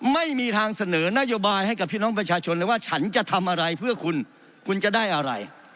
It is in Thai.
ไม่มีทางเสนอนโยบายให้กับพี่น้องประชาชนเลยว่าฉันจะทำอะไรเพื่อคุณคุณจะได้อะไร